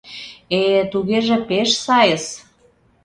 — Э-э, тугеже пеш сайыс!